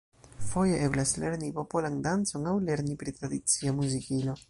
Foje eblas lerni popolan dancon aŭ lerni pri tradicia muzikilo.